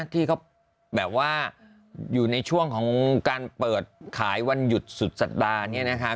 ที่เขาแบบว่าอยู่ในช่วงของการเปิดขายวันหยุดสุดสัปดาห์นี้นะคะ